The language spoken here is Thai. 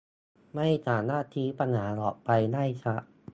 ไม่สามารถชี้ปัญหาออกไปได้ชัด